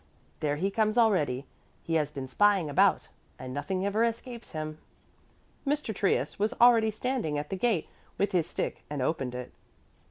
there he comes already. He has been spying about, and nothing ever escapes him." Mr. Trius was already standing at the gate with his stick and opened it.